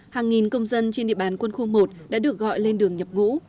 hàng nghìn công dân trên địa bàn quân khu một đã được gọi lên đường nhập ngũ